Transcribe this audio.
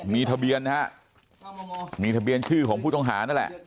มีทะเบียนนะฮะมีทะเบียนชื่อของผู้ต้องหานั่นแหละ